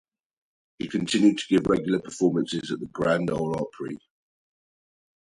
He continued to give regular performances at the Grand Ole Opry.